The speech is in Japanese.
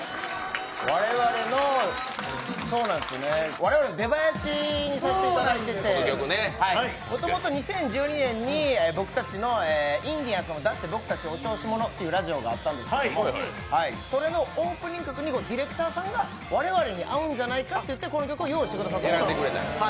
我々の出囃子にさせていただいていて、もともと２０１２年に僕たちの「インディアンスのだって僕たちお調子者」というラジオがあったんですけども、それもオープニング曲に、ディレクターさんが、我々に合うんじゃないかってこの曲を用意してくださって。